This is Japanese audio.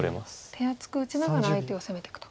手厚く打ちながら相手を攻めていくと。